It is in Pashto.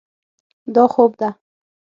دا خوب ده.